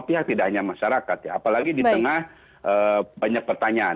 pihak tidak hanya masyarakat ya apalagi di tengah banyak pertanyaan